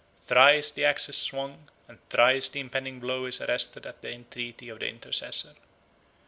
Thrice the axe is swung, and thrice the impending blow is arrested at the entreaty of the intercessor.